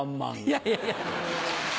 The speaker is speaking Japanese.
いやいやいや。